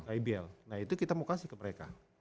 ibl nah itu kita mau kasih ke mereka